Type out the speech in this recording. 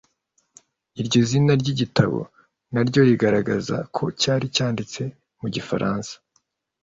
Iryo zina ry’igitabo na ryo rigaragaza ko cyari cyanditse mu gifaransa.